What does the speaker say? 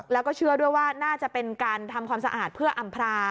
แล้วก็เชื่อด้วยว่าน่าจะเป็นการทำความสะอาดเพื่ออำพรา